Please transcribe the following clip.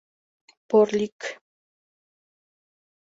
Por: Lic.